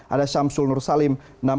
ada syamsul nursalim